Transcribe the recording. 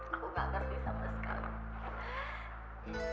aku gak ngerti sama sekali